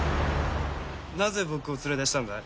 なぜ僕を連れ出したんだい？